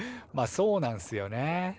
まあそうなんすよね。